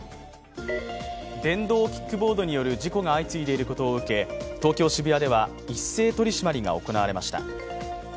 電動キックボードによる事故が相次いでいることを受け東京・渋谷では一斉取締りが行われました。